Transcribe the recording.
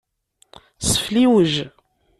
Sefliwej.